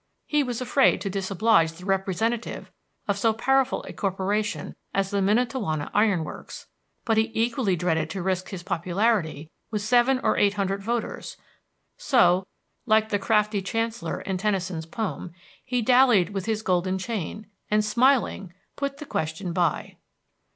He was afraid to disoblige the representative of so powerful a corporation as the Miantowona Iron Works, but he equally dreaded to risk his popularity with seven or eight hundred voters; so, like the crafty chancellor in Tennyson's poem, he dallied with his golden chain, and, smiling, put the question by.